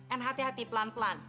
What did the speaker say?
and hati hati pelan pelan